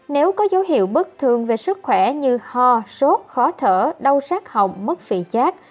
nếu có dấu hiệu bất thường về sức khỏe như ho sốt khó thở đau sát hỏng mức phi chát